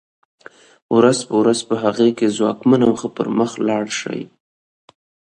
ورځ په ورځ په هغه کې ځواکمن او ښه پرمخ لاړ شي.